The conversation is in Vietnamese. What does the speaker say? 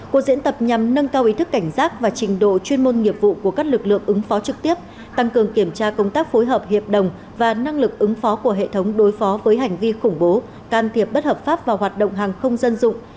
cuộc diễn tập nhằm nâng cao ý thức cảnh giác và trình độ chuyên môn nghiệp vụ của các lực lượng ứng phó trực tiếp tăng cường kiểm tra công tác phối hợp hiệp đồng và năng lực ứng phó của hệ thống đối phó với hành vi khủng bố can thiệp bất hợp pháp vào hoạt động hàng không dân dụng